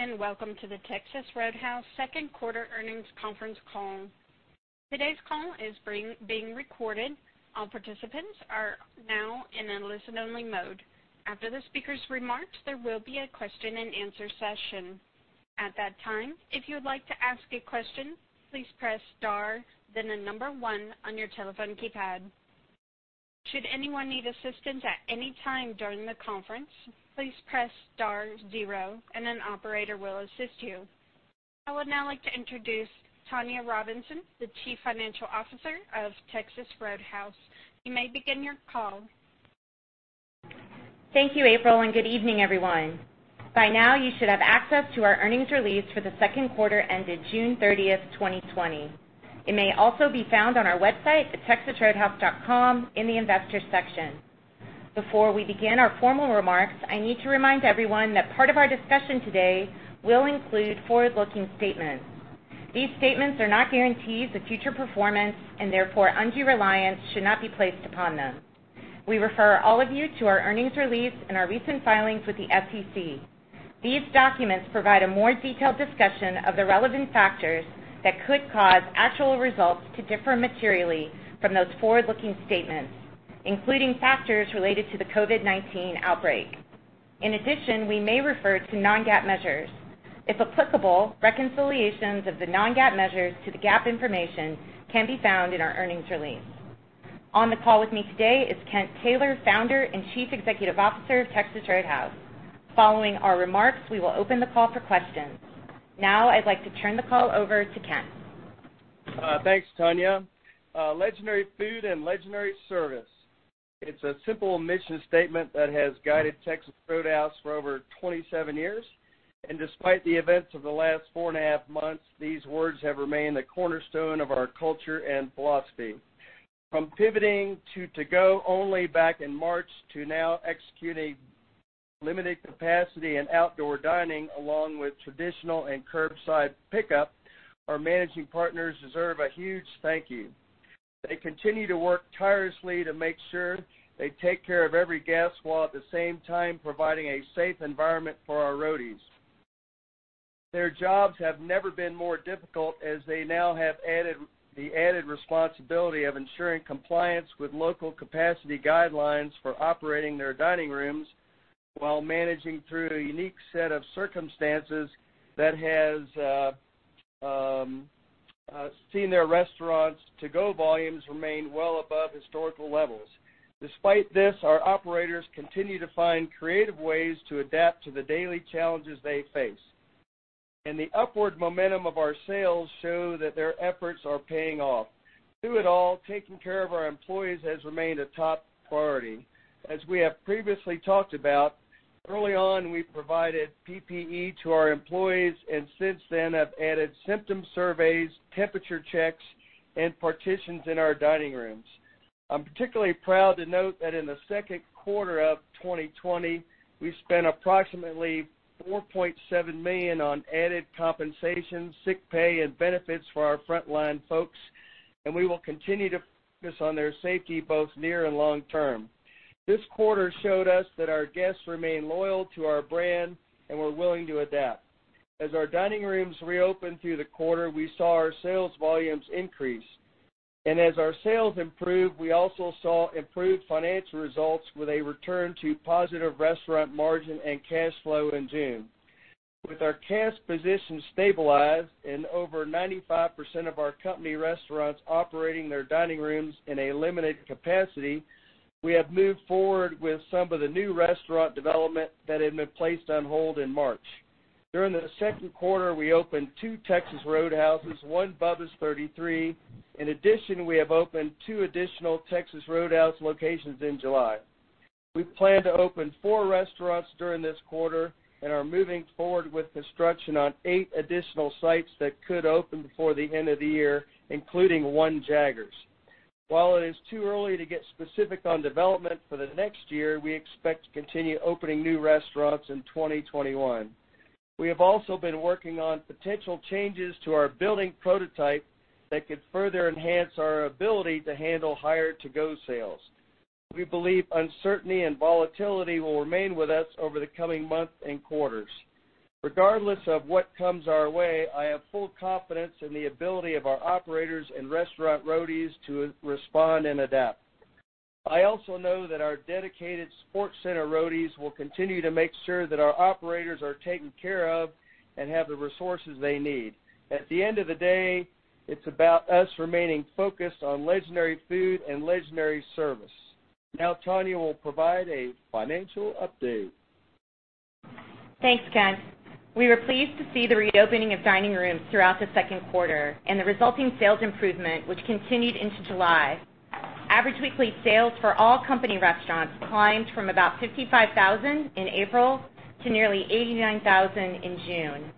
Good evening, and welcome to the Texas Roadhouse second quarter earnings conference call. Today's call is being recorded. All participants are now in a listen only mode. After the speaker's remarks, there will be a question and answer session. At that time, if you would like to ask a question, please press star then the number one on your telephone keypad. Should anyone need assistance at any time during the conference, please press star zero and an operator will assist you. I would now like to introduce Tonya Robinson, the Chief Financial Officer of Texas Roadhouse. You may begin your call. Thank you, April, and good evening, everyone. By now, you should have access to our earnings release for the second quarter ended June 30th, 2020. It may also be found on our website at texasroadhouse.com in the Investors section. Before we begin our formal remarks, I need to remind everyone that part of our discussion today will include forward-looking statements. These statements are not guarantees of future performance, and therefore undue reliance should not be placed upon them. We refer all of you to our earnings release and our recent filings with the SEC. These documents provide a more detailed discussion of the relevant factors that could cause actual results to differ materially from those forward-looking statements, including factors related to the COVID-19 outbreak. In addition, we may refer to non-GAAP measures. If applicable, reconciliations of the non-GAAP measures to the GAAP information can be found in our earnings release. On the call with me today is Kent Taylor, Founder and Chief Executive Officer of Texas Roadhouse. Following our remarks, we will open the call for questions. I'd like to turn the call over to Kent. Thanks, Tonya. Legendary food and legendary service. It's a simple mission statement that has guided Texas Roadhouse for over 27 years, and despite the events of the last four and a half months, these words have remained the cornerstone of our culture and philosophy. From pivoting to to-go only back in March, to now executing limited capacity and outdoor dining, along with traditional and curbside pickup, our managing partners deserve a huge thank you. They continue to work tirelessly to make sure they take care of every guest, while at the same time providing a safe environment for our Roadies. Their jobs have never been more difficult, as they now have the added responsibility of ensuring compliance with local capacity guidelines for operating their dining rooms while managing through a unique set of circumstances that has seen their restaurants' to-go volumes remain well above historical levels. Despite this, our operators continue to find creative ways to adapt to the daily challenges they face. The upward momentum of our sales show that their efforts are paying off. Through it all, taking care of our employees has remained a top priority. As we have previously talked about, early on, we provided PPE to our employees, and since then have added symptom surveys, temperature checks, and partitions in our dining rooms. I'm particularly proud to note that in the second quarter of 2020, we spent approximately $4.7 million on added compensation, sick pay, and benefits for our frontline folks, and we will continue to focus on their safety, both near and long term. This quarter showed us that our guests remain loyal to our brand and were willing to adapt. Our dining rooms reopened through the quarter, we saw our sales volumes increase. As our sales improved, we also saw improved financial results with a return to positive restaurant margin and cash flow in June. With our cash position stabilized and over 95% of our company restaurants operating their dining rooms in a limited capacity, we have moved forward with some of the new restaurant development that had been placed on hold in March. During the second quarter, we opened two Texas Roadhouse locations, one Bubba's 33. In addition, we have opened two additional Texas Roadhouse locations in July. We plan to open four restaurants during this quarter and are moving forward with construction on eight additional sites that could open before the end of the year, including one Jaggers. While it is too early to get specific on development for the next year, we expect to continue opening new restaurants in 2021. We have also been working on potential changes to our building prototype that could further enhance our ability to handle higher to-go sales. We believe uncertainty and volatility will remain with us over the coming months and quarters. Regardless of what comes our way, I have full confidence in the ability of our operators and restaurant Roadies to respond and adapt. I also know that our dedicated support center Roadies will continue to make sure that our operators are taken care of and have the resources they need. At the end of the day, it's about us remaining focused on legendary food and legendary service. Tonya will provide a financial update. Thanks, Kent. We were pleased to see the reopening of dining rooms throughout the second quarter and the resulting sales improvement, which continued into July. Average weekly sales for all company restaurants climbed from about $55,000 in April to nearly $89,000 in June.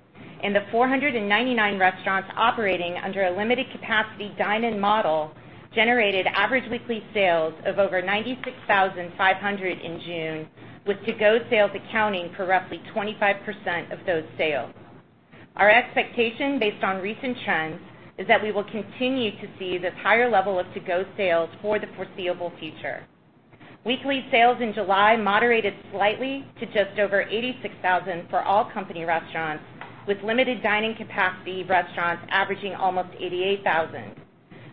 The 499 restaurants operating under a limited capacity dine-in model generated average weekly sales of over $96,500 in June, with to-go sales accounting for roughly 25% of those sales. Our expectation based on recent trends is that we will continue to see this higher level of to-go sales for the foreseeable future. Weekly sales in July moderated slightly to just over $86,000 for all company restaurants, with limited dining capacity restaurants averaging almost $88,000.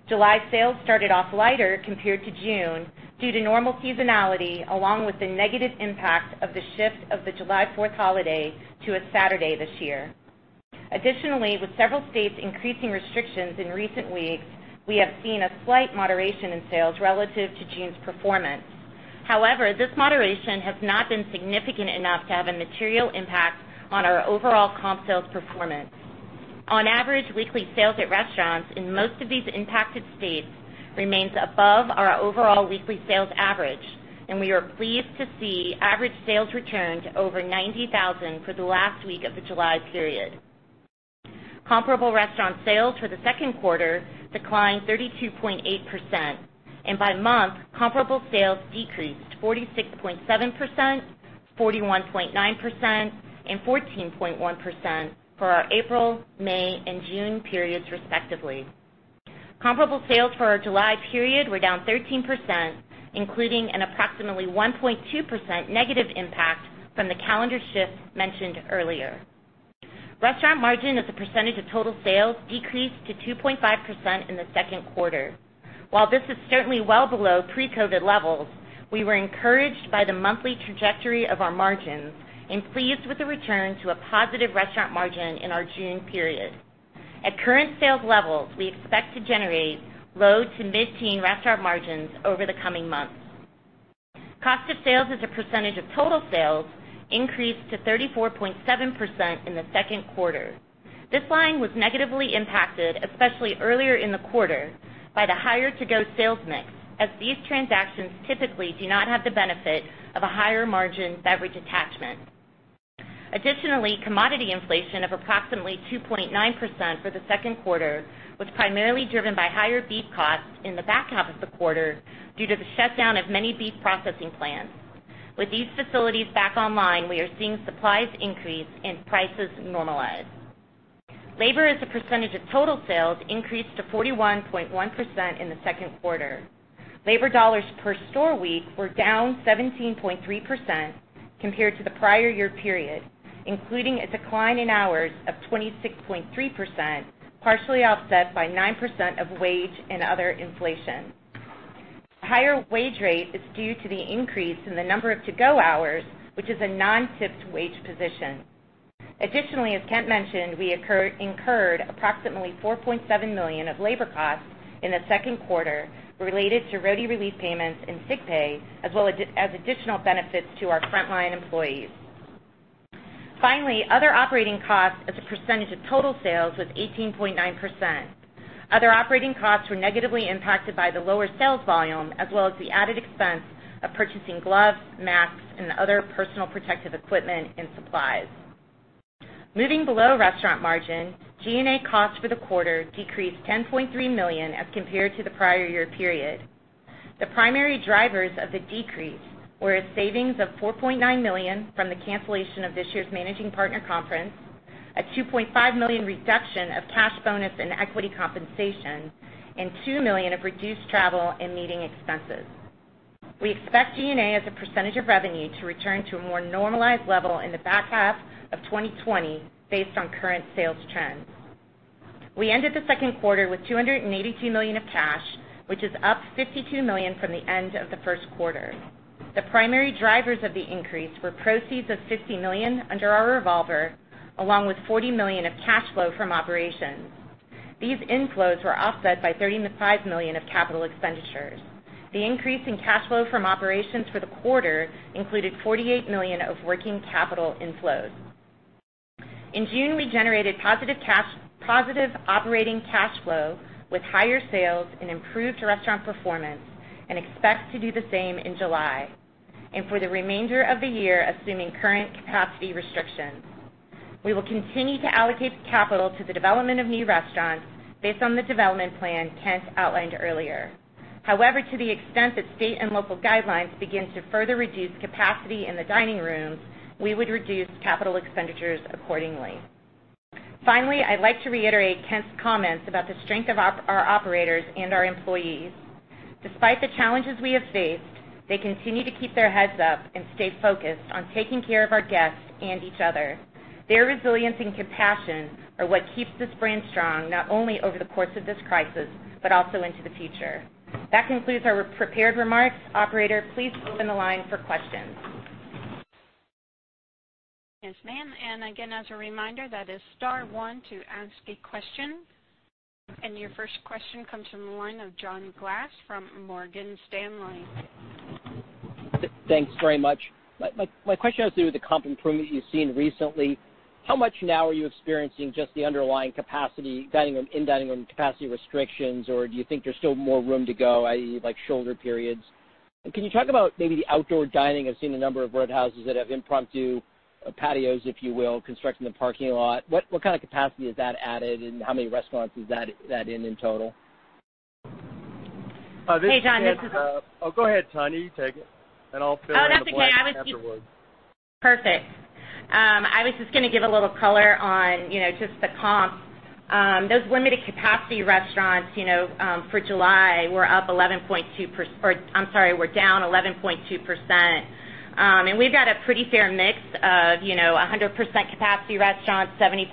July sales started off lighter compared to June due to normal seasonality, along with the negative impact of the shift of the July 4th holiday to a Saturday this year. Additionally, with several states increasing restrictions in recent weeks, we have seen a slight moderation in sales relative to June's performance. This moderation has not been significant enough to have a material impact on our overall comp sales performance. On average, weekly sales at restaurants in most of these impacted states remains above our overall weekly sales average, and we are pleased to see average sales return to over $90,000 for the last week of the July period. Comparable restaurant sales for the second quarter declined 32.8%, and by month, comparable sales decreased 46.7%, 41.9%, and 14.1% for our April, May, and June periods respectively. Comparable sales for our July period were down 13%, including an approximately 1.2% negative impact from the calendar shift mentioned earlier. Restaurant margin as a percentage of total sales decreased to 2.5% in the second quarter. While this is certainly well below pre-COVID-19 levels, we were encouraged by the monthly trajectory of our margins and pleased with the return to a positive restaurant margin in our June period. At current sales levels, we expect to generate low to mid-teen restaurant margins over the coming months. Cost of sales as a percentage of total sales increased to 34.7% in the second quarter. This line was negatively impacted, especially earlier in the quarter, by the higher to-go sales mix, as these transactions typically do not have the benefit of a higher margin beverage attachment. Commodity inflation of approximately 2.9% for the second quarter was primarily driven by higher beef costs in the back half of the quarter due to the shutdown of many beef processing plants. With these facilities back online, we are seeing supplies increase and prices normalize. Labor as a percentage of total sales increased to 41.1% in the second quarter. Labor dollars per store week were down 17.3% compared to the prior year period, including a decline in hours of 26.3%, partially offset by 9% of wage and other inflation. Higher wage rate is due to the increase in the number of to-go hours, which is a non-tipped wage position. Additionally, as Kent mentioned, we incurred approximately $4.7 million of labor costs in the second quarter related to Roadie relief payments and sick pay, as well as additional benefits to our frontline employees. Finally, other operating costs as a percentage of total sales was 18.9%. Other operating costs were negatively impacted by the lower sales volume, as well as the added expense of purchasing gloves, masks, and other personal protective equipment and supplies. Moving below restaurant margin, G&A costs for the quarter decreased $10.3 million as compared to the prior year period. The primary drivers of the decrease were a savings of $4.9 million from the cancellation of this year's managing partner conference, a $2.5 million reduction of cash bonus and equity compensation, and $2 million of reduced travel and meeting expenses. We expect G&A as a percentage of revenue to return to a more normalized level in the back half of 2020 based on current sales trends. We ended the second quarter with $282 million of cash, which is up $52 million from the end of the first quarter. The primary drivers of the increase were proceeds of $50 million under our revolver, along with $40 million of cash flow from operations. These inflows were offset by $35 million of capital expenditures. The increase in cash flow from operations for the quarter included $48 million of working capital inflows. In June, we generated positive operating cash flow with higher sales and improved restaurant performance and expect to do the same in July and for the remainder of the year, assuming current capacity restrictions. We will continue to allocate capital to the development of new restaurants based on the development plan Kent outlined earlier. However, to the extent that state and local guidelines begin to further reduce capacity in the dining rooms, we would reduce capital expenditures accordingly. Finally, I'd like to reiterate Kent's comments about the strength of our operators and our employees. Despite the challenges we have faced, they continue to keep their heads up and stay focused on taking care of our guests and each other. Their resilience and compassion are what keeps this brand strong, not only over the course of this crisis, but also into the future. That concludes our prepared remarks. Operator, please open the line for questions. Yes, ma'am. Again, as a reminder, that is star one to ask a question. Your first question comes from the line of John Glass from Morgan Stanley. Thanks very much. My question has to do with the comp improvement you've seen recently. How much now are you experiencing just the underlying capacity, in dining room capacity restrictions, or do you think there's still more room to go, i.e., like shoulder periods? Can you talk about maybe the outdoor dining? I've seen a number of Roadhouses that have impromptu patios, if you will, constructed in the parking lot. What kind of capacity has that added, and how many restaurants is that in total? Hey, John. Oh, go ahead, Tonya, you take it, and I'll fill in what afterwards. Oh, that's okay. Perfect. I was just going to give a little color on just the comps. Those limited capacity restaurants for July were down 11.2%. We've got a pretty fair mix of 100% capacity restaurants, 75%,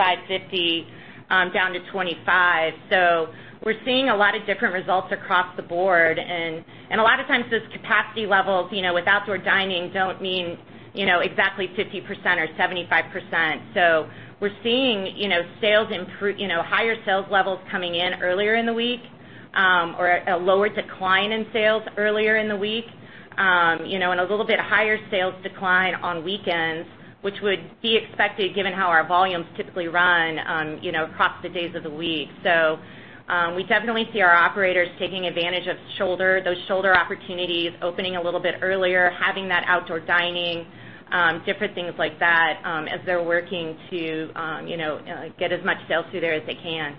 50%, down to 25%. We're seeing a lot of different results across the board. A lot of times, those capacity levels, with outdoor dining, don't mean exactly 50% or 75%. We're seeing higher sales levels coming in earlier in the week, or a lower decline in sales earlier in the week. A little bit higher sales decline on weekends, which would be expected given how our volumes typically run across the days of the week. We definitely see our operators taking advantage of those shoulder opportunities, opening a little bit earlier, having that outdoor dining, different things like that, as they're working to get as much sales through there as they can.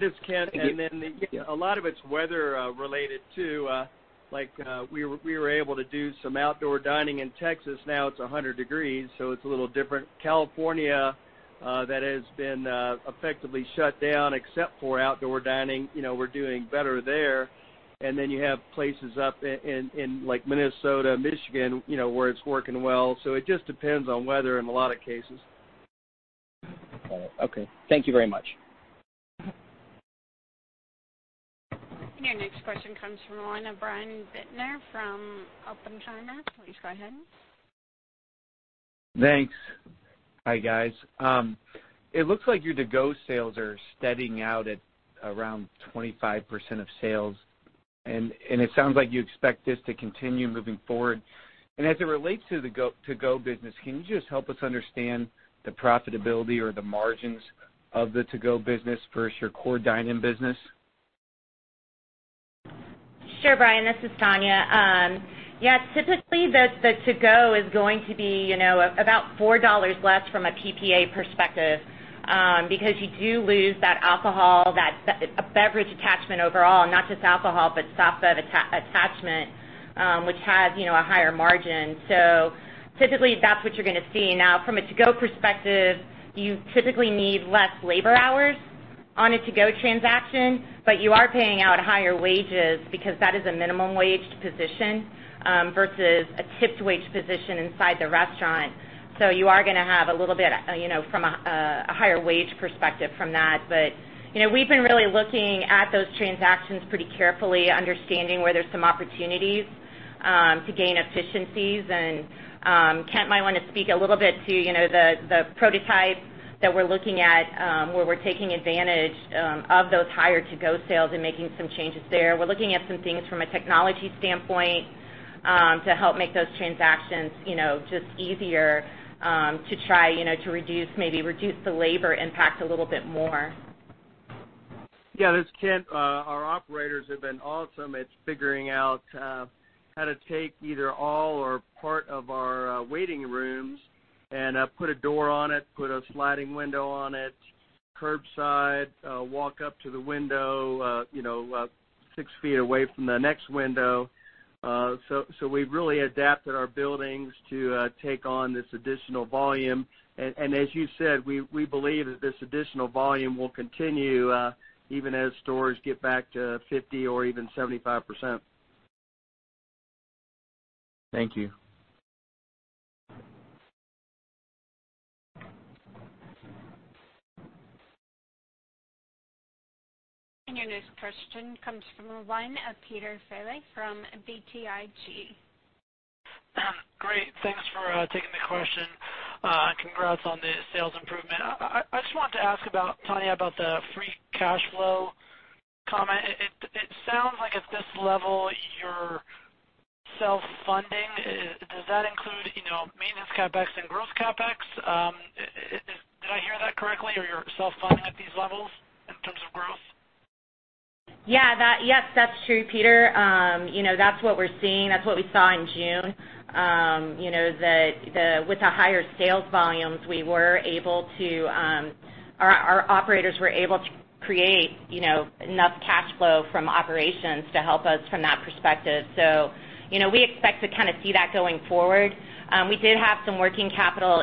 This is Kent. Thank you. A lot of it's weather related too. We were able to do some outdoor dining in Texas. Now it's 100 degrees, so it's a little different. California, that has been effectively shut down except for outdoor dining, we're doing better there. You have places up in Minnesota, Michigan, where it's working well. It just depends on weather in a lot of cases. Got it. Okay. Thank you very much. Your next question comes from the line of Brian Bittner from Oppenheimer. Please go ahead. Thanks. Hi, guys. It looks like your to-go sales are steadying out at around 25% of sales, and it sounds like you expect this to continue moving forward. As it relates to the to-go business, can you just help us understand the profitability or the margins of the to-go business versus your core dine-in business? Sure, Brian. This is Tonya. Yeah, typically, the to-go is going to be about $4 less from a PPA perspective, because you do lose that alcohol, a beverage attachment overall, not just alcohol, but soft bev attachment, which has a higher margin. Typically, that's what you're going to see. Now, from a to-go perspective, you typically need less labor hours on a to-go transaction, but you are paying out higher wages because that is a minimum wage position, versus a tipped wage position inside the restaurant. You are going to have a little bit from a higher wage perspective from that. We've been really looking at those transactions pretty carefully, understanding where there's some opportunities to gain efficiencies, and Kent might want to speak a little bit to the prototype that we're looking at, where we're taking advantage of those higher to-go sales and making some changes there. We're looking at some things from a technology standpoint to help make those transactions just easier to try maybe reduce the labor impact a little bit more. Yeah, this is Kent. Our operators have been awesome at figuring out how to take either all or part of our waiting rooms and put a door on it, put a sliding window on it, curbside, walk up to the window, six feet away from the next window. We've really adapted our buildings to take on this additional volume. As you said, we believe that this additional volume will continue, even as stores get back to 50% or even 75%. Thank you. Your next question comes from the line of Peter Saleh from BTIG. Great. Thanks for taking the question. Congrats on the sales improvement. I just wanted to ask Tonya about the free cash flow comment. It sounds like at this level, you're self-funding. Does that include maintenance CapEx and growth CapEx? Did I hear that correctly, or you're self-funding at these levels in terms of growth? Yes, that's true, Peter. That's what we're seeing. That's what we saw in June, that with the higher sales volumes, our operators were able to create enough cash flow from operations to help us from that perspective. We expect to kind of see that going forward. We did have some working capital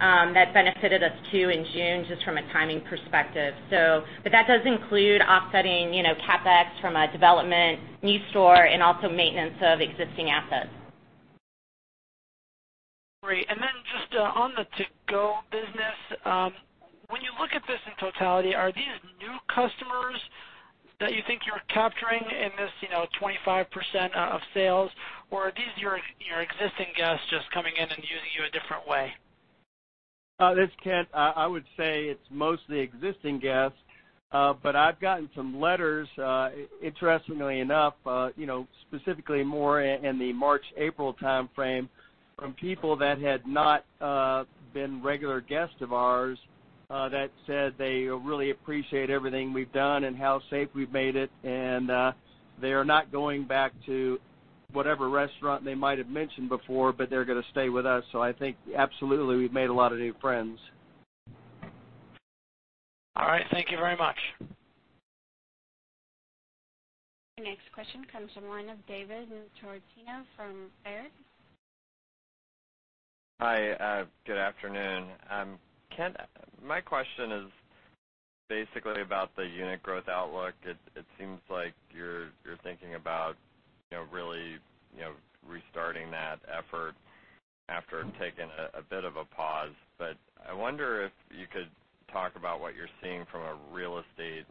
inflows that benefited us, too, in June, just from a timing perspective. That does include offsetting CapEx from a development new store and also maintenance of existing assets. Great. Then just on the to-go business, when you look at this in totality, are these new customers that you think you're capturing in this 25% of sales, or are these your existing guests just coming in and using you a different way? This is Kent. I would say it's mostly existing guests. I've gotten some letters, interestingly enough, specifically more in the March, April timeframe, from people that had not been regular guests of ours, that said they really appreciate everything we've done and how safe we've made it. They are not going back to whatever restaurant they might have mentioned before, but they're going to stay with us. I think absolutely, we've made a lot of new friends. All right. Thank you very much. Your next question comes from the line of David Tarantino from Baird. Hi. Good afternoon. Kent, my question is basically about the unit growth outlook. It seems like you're thinking about really restarting that effort after taking a bit of a pause. I wonder if you could talk about what you're seeing from a real estate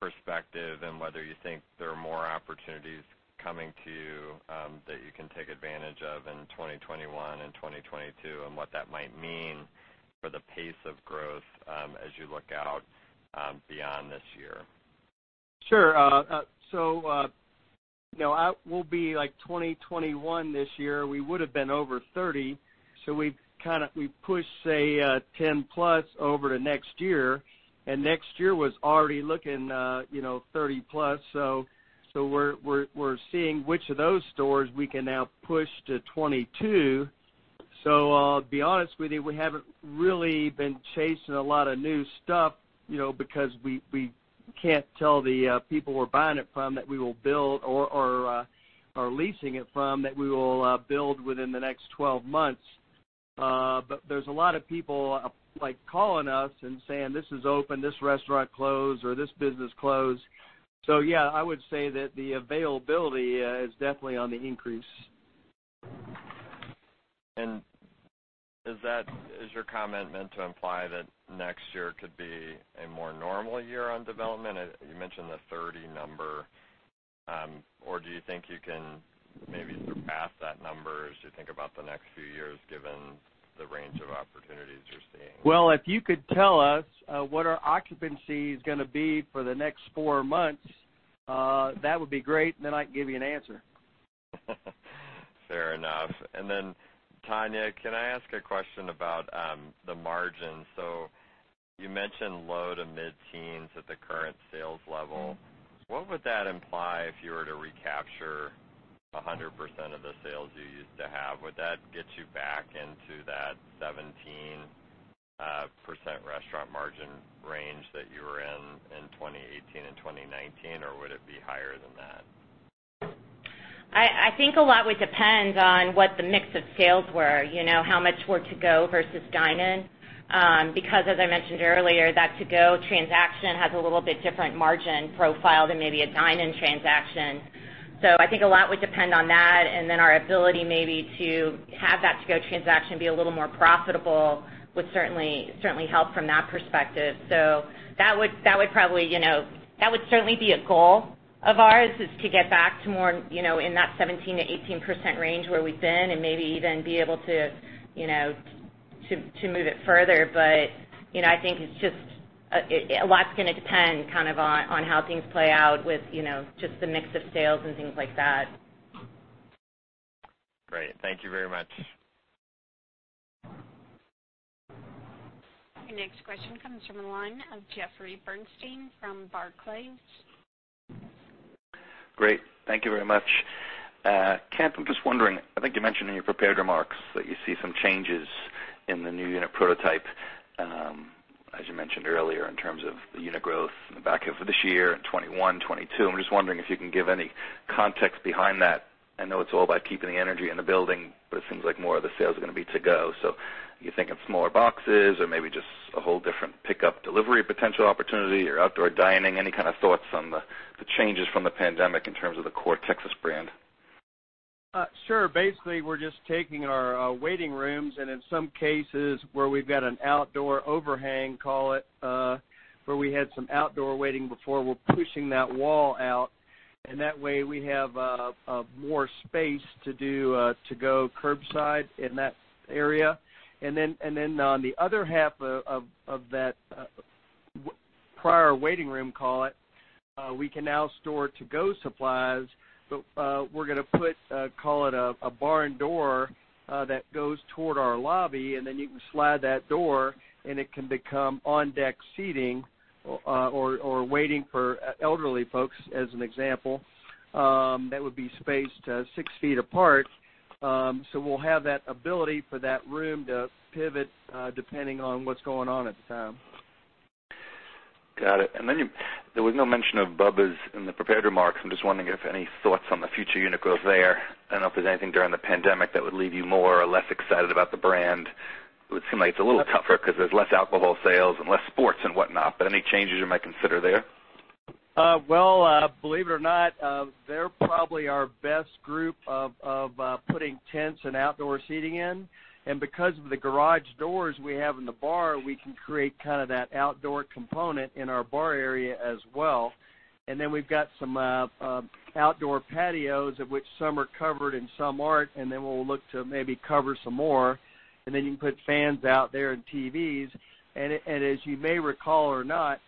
perspective, and whether you think there are more opportunities coming to you, that you can take advantage of in 2021 and 2022, and what that might mean for the pace of growth, as you look out beyond this year. Sure. We'll be like 20, 21 this year. We would've been over 30, so we pushed, say, 10 plus over to next year, and next year was already looking 30 plus. We're seeing which of those stores we can now push to 2022. To be honest with you, we haven't really been chasing a lot of new stuff, because we can't tell the people we're buying it from that we will build or are leasing it from that we will build within the next 12 months. There's a lot of people calling us and saying, "This is open, this restaurant closed, or this business closed." Yeah, I would say that the availability is definitely on the increase. Is your comment meant to imply that next year could be a more normal year on development? You mentioned the 30 number. Do you think you can maybe surpass that number as you think about the next few years, given the range of opportunities you're seeing? Well, if you could tell us what our occupancy's going to be for the next four months, that would be great, and then I can give you an answer. Fair enough. Tonya, can I ask a question about the margin? You mentioned low to mid-teens at the current sales level. What would that imply if you were to recapture 100% of the sales you used to have? Would that get you back into that 17% restaurant margin range that you were in in 2018 and 2019? Would it be higher than that? I think a lot would depend on what the mix of sales were. How much were to-go versus dine-in? As I mentioned earlier, that to-go transaction has a little bit different margin profile than maybe a dine-in transaction. I think a lot would depend on that, and then our ability maybe to have that to-go transaction be a little more profitable would certainly help from that perspective. That would certainly be a goal of ours, is to get back in that 17%-18% range where we've been, and maybe even be able to move it further. I think a lot's going to depend on how things play out with just the mix of sales and things like that. Great. Thank you very much. Your next question comes from the line of Jeffrey Bernstein from Barclays. Great. Thank you very much. Kent, I'm just wondering, I think you mentioned in your prepared remarks that you see some changes in the new unit prototype, as you mentioned earlier, in terms of the unit growth in the back half of this year and 2021, 2022. I'm just wondering if you can give any context behind that. I know it's all about keeping the energy in the building. It seems like more of the sales are going to be to-go. Are you thinking smaller boxes or maybe just a whole different pickup delivery potential opportunity or outdoor dining? Any kind of thoughts on the changes from the pandemic in terms of the core Texas brand? Sure. Basically, we're just taking our waiting rooms, and in some cases where we've got an outdoor overhang, call it, where we had some outdoor waiting before, we're pushing that wall out, and that way we have more space to do to-go curbside in that area. On the other half of that prior waiting room, call it, we can now store to-go supplies. We're going to put, call it, a barn door that goes toward our lobby, and then you can slide that door and it can become on-deck seating or waiting for elderly folks, as an example, that would be spaced 6 feet apart. We'll have that ability for that room to pivot, depending on what's going on at the time. Got it. There was no mention of Bubba's in the prepared remarks. I'm just wondering if any thoughts on the future unit growth there. I don't know if there's anything during the pandemic that would leave you more or less excited about the brand. It would seem like it's a little tougher because there's less alcohol sales and less sports and whatnot. Any changes you might consider there? Well, believe it or not, they're probably our best group of putting tents and outdoor seating in. Because of the garage doors we have in the bar, we can create that outdoor component in our bar area as well. Then we've got some outdoor patios of which some are covered and some aren't, then we'll look to maybe cover some more. Then you can put fans out there and TVs. As you may recall or not,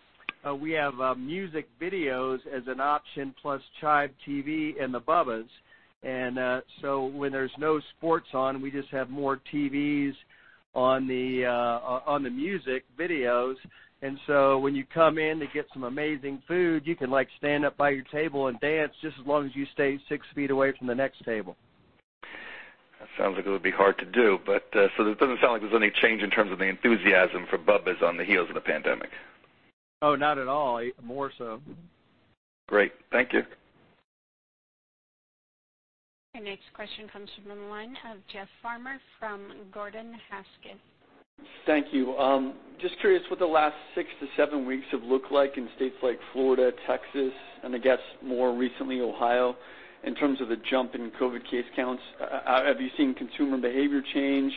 we have music videos as an option, plus Chive TV in the Bubba's. So when there's no sports on, we just have more TVs on the music videos. So when you come in to get some amazing food, you can stand up by your table and dance, just as long as you stay six feet away from the next table. Sounds like it would be hard to do. It doesn't sound like there's any change in terms of the enthusiasm for Bubba's on the heels of the pandemic. Oh, not at all. More so. Great. Thank you. Your next question comes from the line of Jeff Farmer from Gordon Haskett. Thank you. Just curious what the last six to seven weeks have looked like in states like Florida, Texas, and I guess more recently, Ohio, in terms of the jump in COVID case counts. Have you seen consumer behavior change?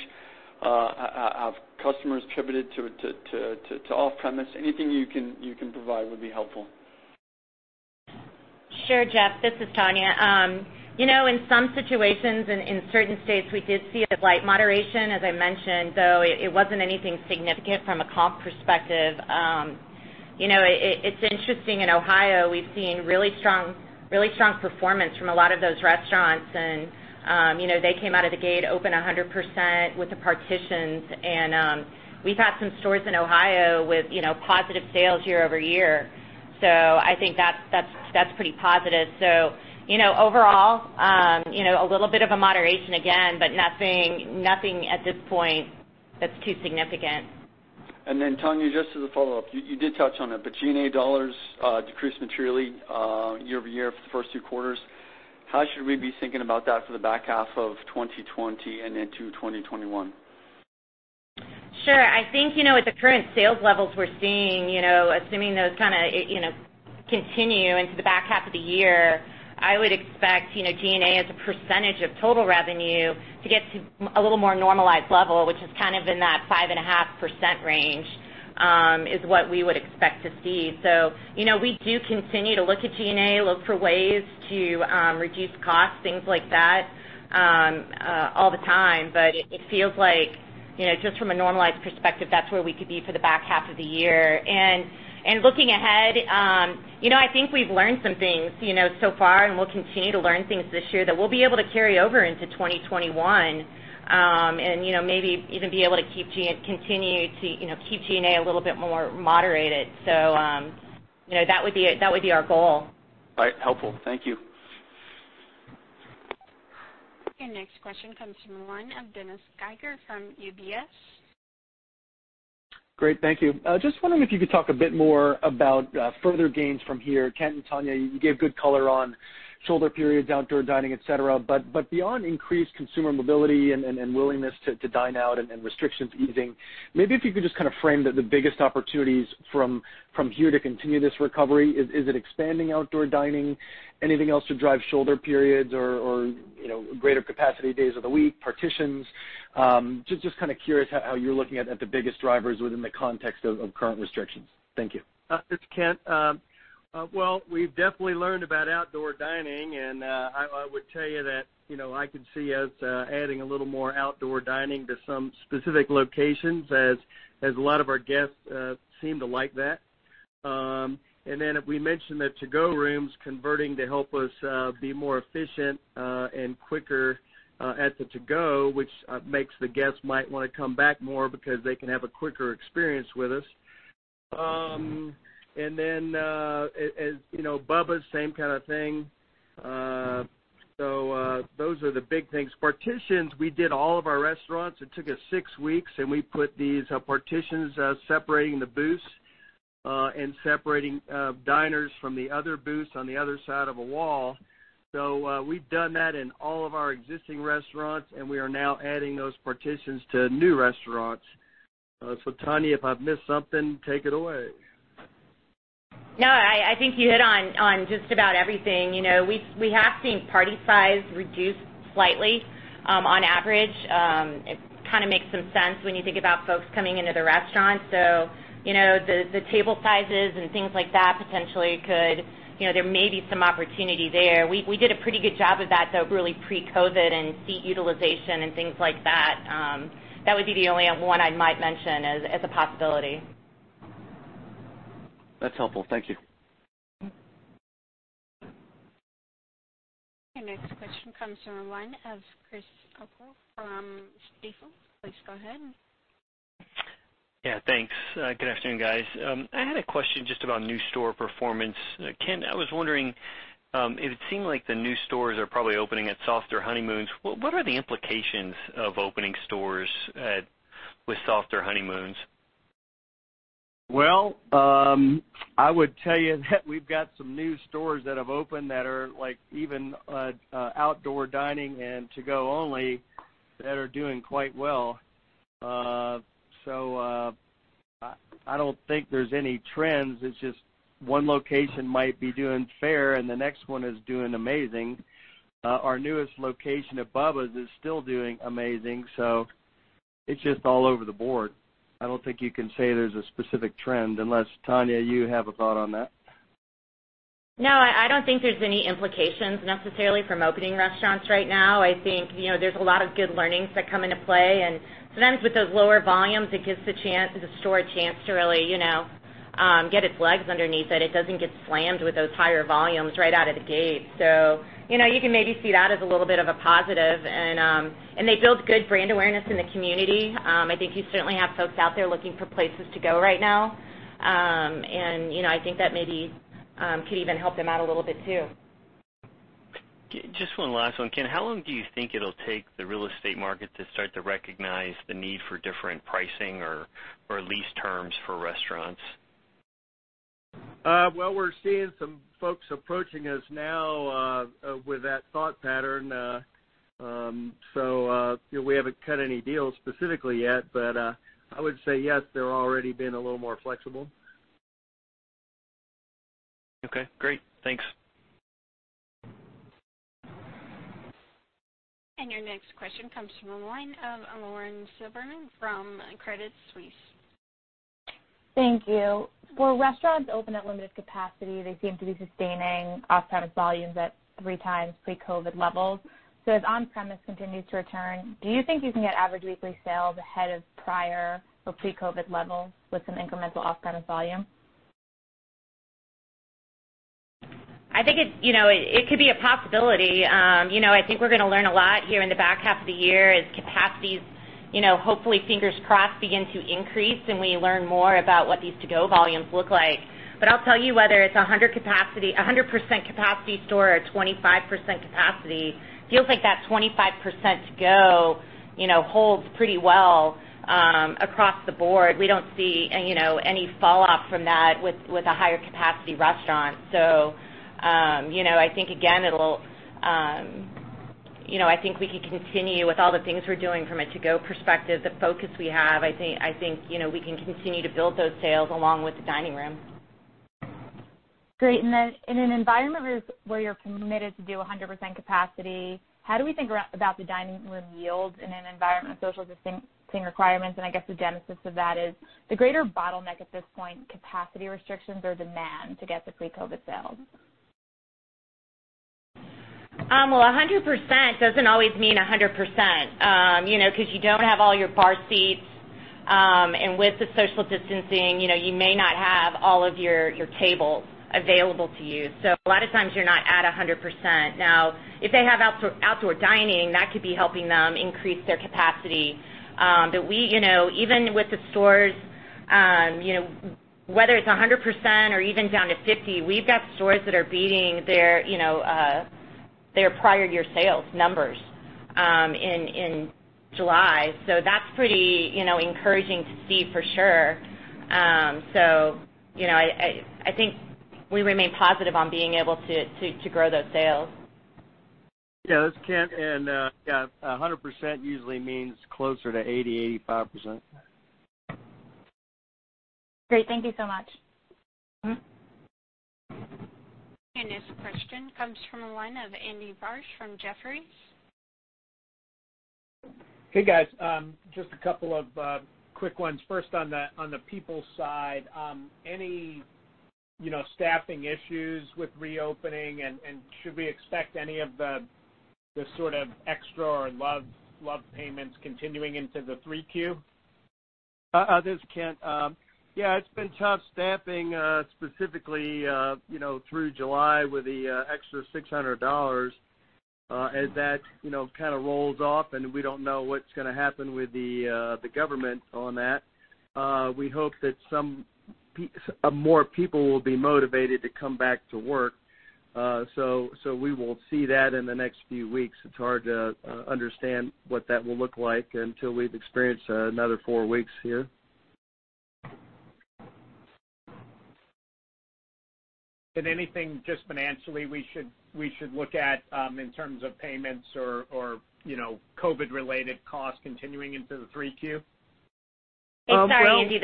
Have customers pivoted to off-premise? Anything you can provide would be helpful. Sure. Jeff, this is Tonya. In some situations and in certain states, we did see a slight moderation, as I mentioned, though it wasn't anything significant from a comp perspective. It's interesting, in Ohio, we've seen really strong performance from a lot of those restaurants, and they came out of the gate open 100% with the partitions. We've had some stores in Ohio with positive sales year-over-year. I think that's pretty positive. Overall, a little bit of a moderation again, but nothing at this point that's too significant. Tonya, just as a follow-up. You did touch on it, but G&A dollars decreased materially year-over-year for the first two quarters. How should we be thinking about that for the back half of 2020 and into 2021? Sure. I think, with the current sales levels we're seeing, assuming those continue into the back half of the year, I would expect G&A as a percentage of total revenue to get to a little more normalized level, which is in that 5.5% range, is what we would expect to see. We do continue to look at G&A, look for ways to reduce costs, things like that, all the time. It feels like, just from a normalized perspective, that's where we could be for the back half of the year. Looking ahead, I think we've learned some things so far, and we'll continue to learn things this year that we'll be able to carry over into 2021. Maybe even be able to keep G&A a little bit more moderated. That would be our goal. All right. Helpful. Thank you. Your next question comes from the line of Dennis Geiger from UBS. Great. Thank you. Just wondering if you could talk a bit more about further gains from here. Kent and Tonya, you gave good color on shoulder periods, outdoor dining, et cetera. Beyond increased consumer mobility and willingness to dine out and restrictions easing, maybe if you could just frame the biggest opportunities from here to continue this recovery. Is it expanding outdoor dining? Anything else to drive shoulder periods or greater capacity days of the week, partitions? Just curious how you're looking at the biggest drivers within the context of current restrictions. Thank you. It's Kent. Well, we've definitely learned about outdoor dining, and I would tell you that I could see us adding a little more outdoor dining to some specific locations as a lot of our guests seem to like that. We mentioned the to-go rooms converting to help us be more efficient and quicker at the to-go, which makes the guests might want to come back more because they can have a quicker experience with us. Bubba's, same kind of thing. Those are the big things. Partitions, we did all of our restaurants. It took us six weeks, and we put these partitions separating the booths, and separating diners from the other booths on the other side of a wall. We've done that in all of our existing restaurants, and we are now adding those partitions to new restaurants. Tonya, if I've missed something, take it away. No, I think you hit on just about everything. We have seen party size reduce slightly, on average. It kind of makes some sense when you think about folks coming into the restaurant. The table sizes and things like that potentially. There may be some opportunity there. We did a pretty good job of that, though, really pre-COVID and seat utilization and things like that. That would be the only one I might mention as a possibility. That's helpful. Thank you. Your next question comes from the line of Chris O'Cull from Stifel. Please go ahead. Yeah. Thanks. Good afternoon, guys. I had a question just about new store performance. Kent, I was wondering, it seemed like the new stores are probably opening at softer honeymoons. What are the implications of opening stores with softer honeymoons? Well, I would tell you that we've got some new stores that have opened that are even outdoor dining and to-go only that are doing quite well. I don't think there's any trends. It's just one location might be doing fair and the next one is doing amazing. Our newest location at Bubba's is still doing amazing, it's just all over the board. I don't think you can say there's a specific trend, unless Tonya, you have a thought on that. No, I don't think there's any implications necessarily from opening restaurants right now. I think there's a lot of good learnings that come into play, and sometimes with those lower volumes, it gives the store a chance to really get its legs underneath it. It doesn't get slammed with those higher volumes right out of the gate. You can maybe see that as a little bit of a positive. They build good brand awareness in the community. I think you certainly have folks out there looking for places to go right now. I think that maybe could even help them out a little bit too. Just one last one. Kent, how long do you think it'll take the real estate market to start to recognize the need for different pricing or lease terms for restaurants? Well, we're seeing some folks approaching us now with that thought pattern. We haven't cut any deals specifically yet, but I would say yes, they're already being a little more flexible. Okay, great. Thanks. Your next question comes from the line of Lauren Silberman from Credit Suisse. Thank you. Were restaurants open at limited capacity, they seem to be sustaining off-premise volumes at three times pre-COVID levels. As on-premise continues to return, do you think you can get average weekly sales ahead of prior or pre-COVID levels with some incremental off-premise volume? I think it could be a possibility. I think we're going to learn a lot here in the back half of the year as capacities, hopefully, fingers crossed, begin to increase and we learn more about what these to-go volumes look like. I'll tell you whether it's 100% capacity store or 25% capacity, feels like that 25% to-go holds pretty well across the board. We don't see any fallout from that with a higher capacity restaurant. I think we can continue with all the things we're doing from a to-go perspective, the focus we have. I think we can continue to build those sales along with the dining room. Great. In an environment where you're committed to do 100% capacity, how do we think about the dining room yields in an environment of social distancing requirements? I guess the genesis of that is the greater bottleneck at this point, capacity restrictions or demand to get to pre-COVID sales. 100% doesn't always mean 100%, because you don't have all your bar seats. With the social distancing, you may not have all of your tables available to you. A lot of times you're not at 100%. Now, if they have outdoor dining, that could be helping them increase their capacity. Even with the stores, whether it's 100% or even down to 50, we've got stores that are beating their prior year sales numbers in July. That's pretty encouraging to see for sure. I think we remain positive on being able to grow those sales. Yeah, this is Kent, and yeah, 100% usually means closer to 80%, 85%. Great. Thank you so much. This question comes from a line of Andy Barish from Jefferies. Hey, guys. Just a couple of quick ones. First on the people side, any staffing issues with reopening and should we expect any of the extra or [love] payments continuing into the 3Q? This is Kent. Yeah, it's been tough staffing, specifically, through July with the extra $600. As that kind of rolls off and we don't know what's going to happen with the government on that, we hope that more people will be motivated to come back to work. We will see that in the next few weeks. It's hard to understand what that will look like until we've experienced another four weeks here. Anything just financially we should look at in terms of payments or COVID related costs continuing into the 3Q? Sorry, Andy.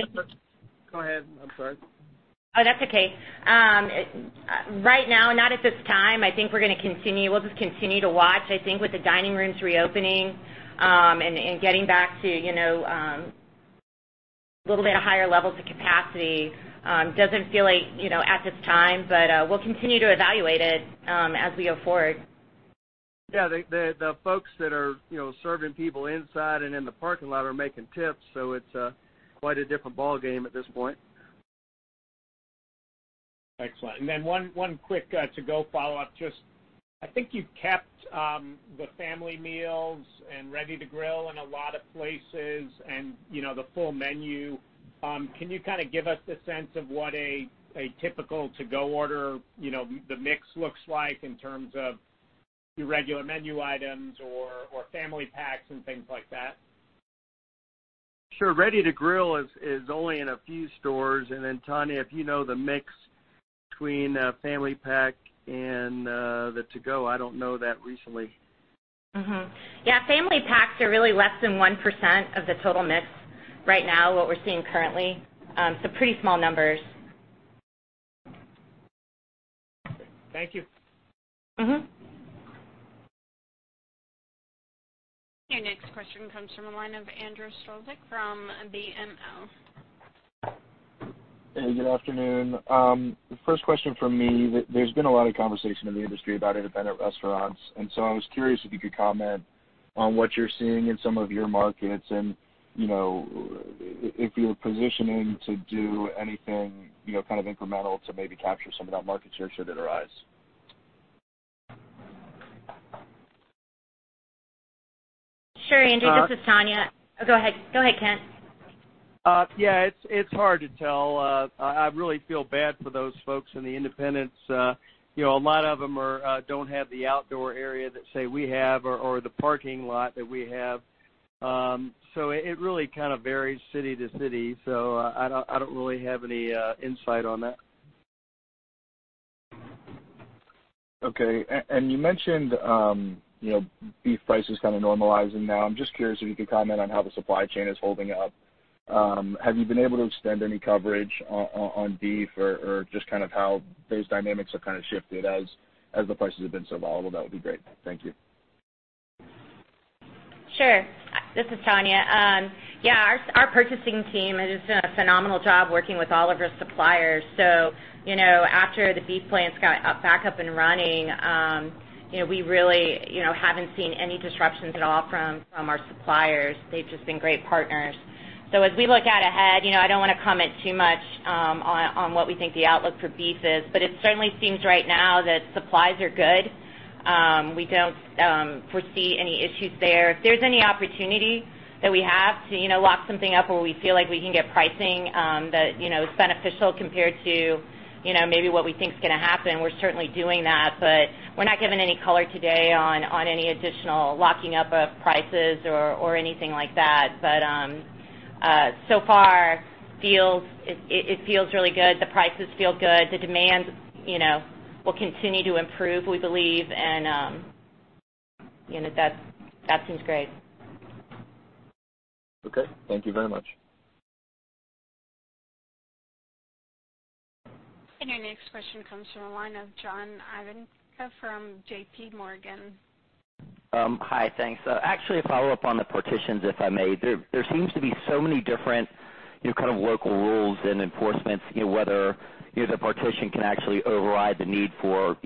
Go ahead. I'm sorry. Oh, that's okay. Right now, not at this time. I think we'll just continue to watch. I think with the dining rooms reopening, and getting back to a little bit of higher levels of capacity, doesn't feel like at this time, but we'll continue to evaluate it as we go forward. Yeah, the folks that are serving people inside and in the parking lot are making tips, so it's quite a different ballgame at this point. Excellent. One quick to-go follow-up, I think you've kept the family meals and Ready to Grill in a lot of places and the full menu. Can you kind of give us a sense of what a typical to-go order, the mix looks like in terms of your regular menu items or family packs and things like that? Sure. Ready to Grill is only in a few stores. Tonya, if you know the mix between family pack and the to-go, I don't know that recently. Yeah, family packs are really less than 1% of the total mix right now, what we're seeing currently. Pretty small numbers. Thank you. Your next question comes from the line of Andrew Strelzik from BMO. Hey, good afternoon. First question from me, there's been a lot of conversation in the industry about independent restaurants, and so I was curious if you could comment on what you're seeing in some of your markets and, if you're positioning to do anything kind of incremental to maybe capture some of that market share should it arise? Sure, Andrew. This is Tonya. Go ahead, Kent. Yeah, it's hard to tell. I really feel bad for those folks in the independents. A lot of them don't have the outdoor area that, say, we have or the parking lot that we have. It really kind of varies city to city. I don't really have any insight on that. Okay. You mentioned beef prices kind of normalizing now. I'm just curious if you could comment on how the supply chain is holding up. Have you been able to extend any coverage on beef or just kind of how those dynamics have kind of shifted as the prices have been so volatile? That would be great. Thank you. Sure. This is Tonya. Our purchasing team has done a phenomenal job working with all of our suppliers. After the beef plants got back up and running, we really haven't seen any disruptions at all from our suppliers. They've just been great partners. As we look out ahead, I don't want to comment too much on what we think the outlook for beef is, but it certainly seems right now that supplies are good. We don't foresee any issues there. If there's any opportunity that we have to lock something up where we feel like we can get pricing that is beneficial compared to maybe what we think is going to happen, we're certainly doing that. We're not giving any color today on any additional locking up of prices or anything like that. So far, it feels really good. The prices feel good. The demand will continue to improve, we believe, and that seems great. Okay. Thank you very much. Your next question comes from the line of John Ivankoe from JPMorgan. Hi, thanks. Actually, a follow-up on the partitions, if I may. There seems to be so many different kind of local rules and enforcements, whether the partition can actually override the need for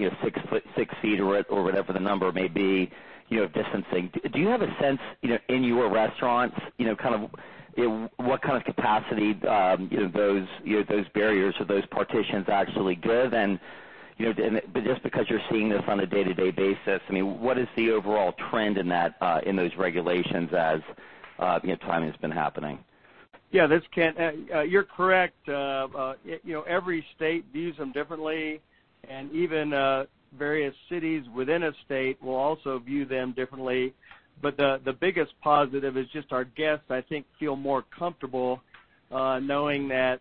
six feet or whatever the number may be, distancing. Do you have a sense in your restaurants, what kind of capacity those barriers or those partitions actually give? Just because you're seeing this on a day-to-day basis, what is the overall trend in those regulations as time has been happening? This is Kent. You're correct. Every state views them differently, and even various cities within a state will also view them differently. The biggest positive is just our guests, I think, feel more comfortable knowing that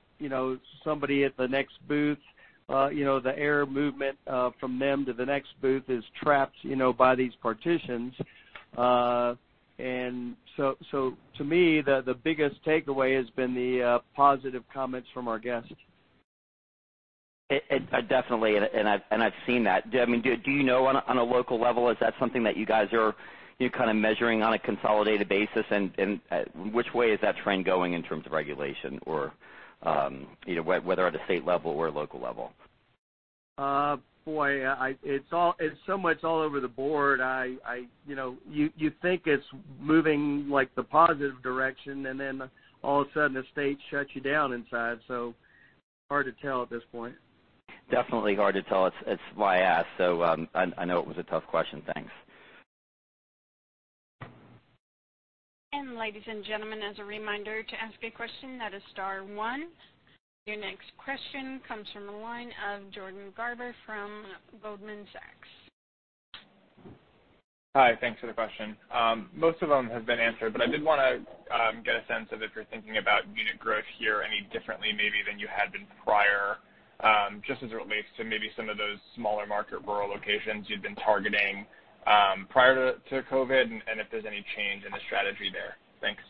somebody at the next booth, the air movement from them to the next booth is trapped by these partitions. To me, the biggest takeaway has been the positive comments from our guests. Definitely, and I've seen that. Do you know on a local level, is that something that you guys are kind of measuring on a consolidated basis? Which way is that trend going in terms of regulation or whether at a state level or a local level? Boy, it's so much all over the board. You think it's moving the positive direction, and then all of a sudden, the state shuts you down inside. Hard to tell at this point. Definitely hard to tell. It's why I asked. I know it was a tough question. Thanks. Ladies and gentlemen, as a reminder, to ask a question, that is star one. Your next question comes from the line of Jared Garber from Goldman Sachs. Hi, thanks for the question. Most of them have been answered, but I did want to get a sense of if you're thinking about unit growth here any differently maybe than you had been prior, just as it relates to maybe some of those smaller market rural locations you'd been targeting prior to COVID, and if there's any change in the strategy there. Thanks.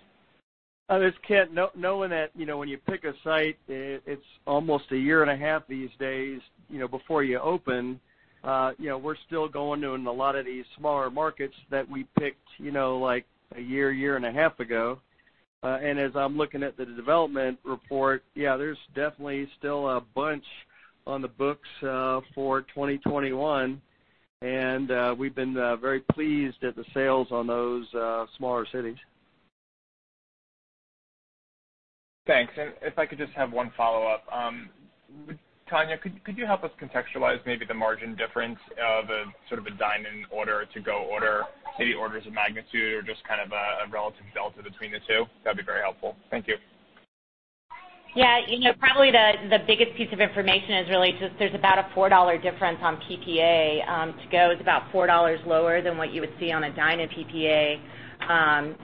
This is Kent. Knowing that when you pick a site, it's almost a year and a half these days before you open. We're still going to a lot of these smaller markets that we picked a year and a half ago. As I'm looking at the development report, yeah, there's definitely still a bunch on the books for 2021. We've been very pleased at the sales on those smaller cities. Thanks. If I could just have one follow-up. Tonya, could you help us contextualize maybe the margin difference of a sort of a dine-in order to go order, say, orders of magnitude or just kind of a relative delta between the two? That'd be very helpful. Thank you. Yeah. Probably the biggest piece of information is really just there's about a $4 difference on PPA. To go is about $4 lower than what you would see on a dine-in PPA.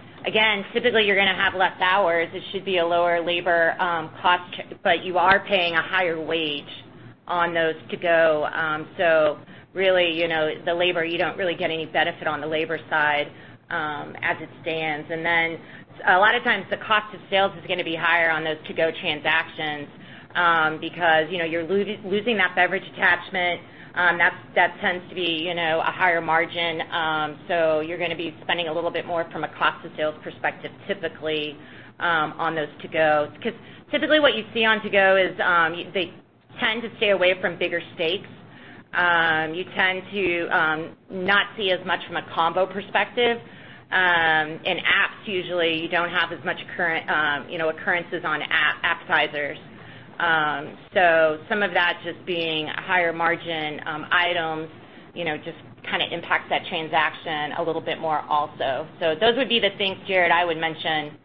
Typically, you're going to have less hours. It should be a lower labor cost, but you are paying a higher wage on those to go. Really, the labor, you don't really get any benefit on the labor side as it stands. A lot of times, the cost of sales is going to be higher on those to-go transactions because you're losing that beverage attachment. That tends to be a higher margin. You're going to be spending a little bit more from a cost of sales perspective, typically, on those to-go. Typically what you see on to-go is they tend to stay away from bigger steaks. You tend to not see as much from a combo perspective. In apps, usually, you don't have as much occurrences on appetizers. Some of that just being higher margin items, just impacts that transaction a little bit more also. Those would be the things, Jared, I would mention.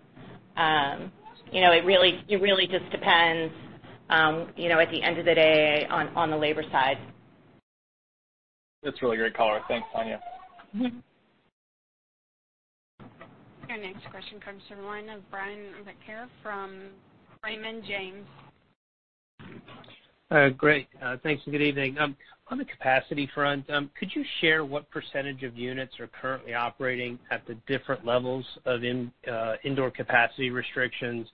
It really just depends, at the end of the day, on the labor side. That's really great color. Thanks, Tonya. Your next question comes from the line of Brian Vaccaro from Raymond James. Great. Thanks, good evening. On the capacity front, could you share what percentage of units are currently operating at the different levels of indoor capacity restrictions?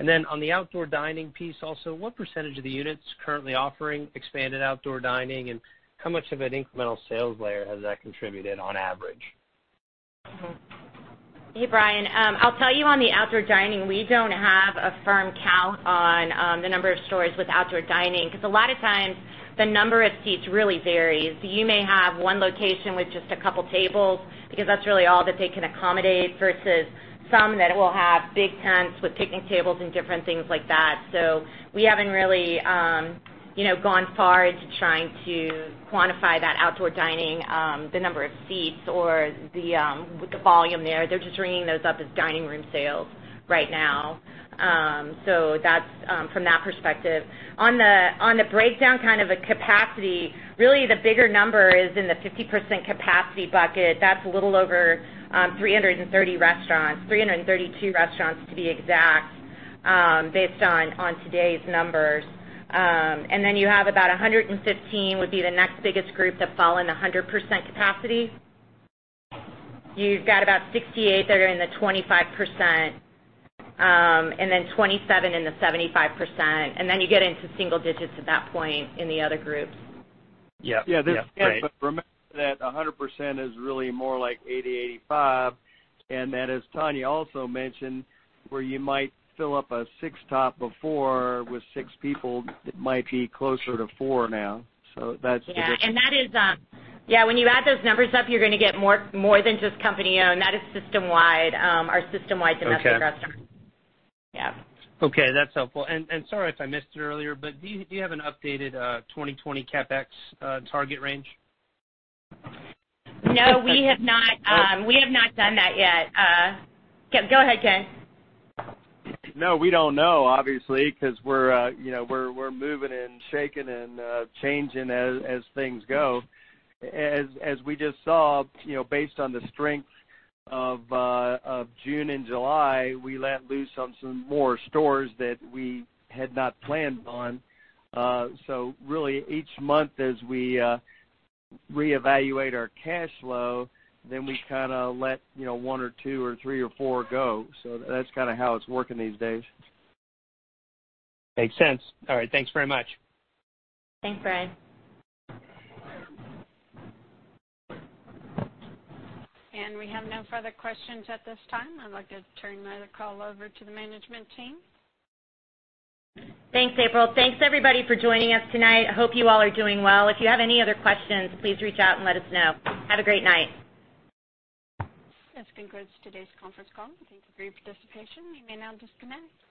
On the outdoor dining piece also, what percentage of the units currently offering expanded outdoor dining, and how much of an incremental sales layer has that contributed on average? Hey, Brian. I'll tell you on the outdoor dining, we don't have a firm count on the number of stores with outdoor dining, because a lot of times, the number of seats really varies. You may have one location with just a couple tables, because that's really all that they can accommodate, versus some that will have big tents with picnic tables and different things like that. We haven't really gone far into trying to quantify that outdoor dining, the number of seats or the volume there. They're just ringing those up as dining room sales right now. That's from that perspective. On the breakdown capacity, really the bigger number is in the 50% capacity bucket. That's a little over 330 restaurants, 332 restaurants to be exact, based on today's numbers. You have about 115 would be the next biggest group that fall in the 100% capacity. You've got about 68 that are in the 25%, and then 27 in the 75%. You get into single digits at that point in the other groups. Yeah. Yeah. Great. Remember that 100% is really more like 80%, 85%, and that as Tonya also mentioned, where you might fill up a six top before with six people, it might be closer to four now. That's the difference. Yeah. When you add those numbers up, you're going to get more than just company-owned. That is system wide, our system wide domestic restaurants. Okay. Yeah. Okay, that's helpful. Sorry if I missed it earlier, but do you have an updated 2020 CapEx target range? No, we have not. We have not done that yet. Go ahead, Kent. No, we don't know, obviously, because we're moving and shaking and changing as things go. As we just saw, based on the strength of June and July, we let loose on some more stores that we had not planned on. Really, each month as we reevaluate our cash flow, then we let one or two or three or four go. That's how it's working these days. Makes sense. All right, thanks very much. Thanks, Brian. We have no further questions at this time. I'd like to turn the call over to the management team. Thanks, April. Thanks everybody for joining us tonight. Hope you all are doing well. If you have any other questions, please reach out and let us know. Have a great night. This concludes today's conference call. Thank you for your participation. You may now disconnect.